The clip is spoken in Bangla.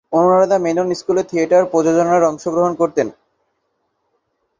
অনুরাধা মেনন স্কুলে থিয়েটার প্রযোজনায় অংশগ্রহণ করতেন।